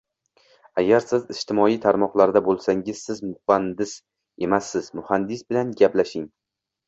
Agar siz ijtimoiy tarmoqlarda boʻlsangiz, siz muhandis emassiz, muhandis bilan gaplashing.